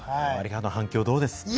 反響はどうですか？